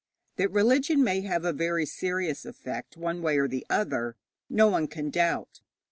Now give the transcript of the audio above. That religion may have a very serious effect one way or the other, no one can doubt.